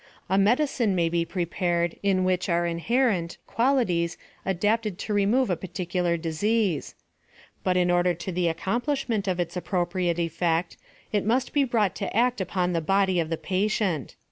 A medicine may be prepared in wliich are inherent qualities adapted to remove a panicilar disease ; but in order to the accomplishment o[ its appropriate effect, it must be brought to act upon the body of the patient.